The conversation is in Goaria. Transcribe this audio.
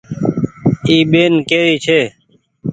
اي ٻين ڪي ري ڇي ۔